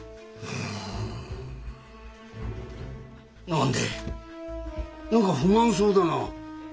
何でぇ何か不満そうだなぁ。